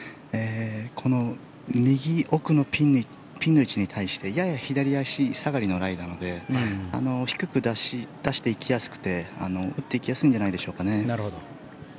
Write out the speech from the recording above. この右奥のピンの位置に対してやや左足下がりのライなので低く出していきやすくて打っていきやすいんじゃないでしょうか。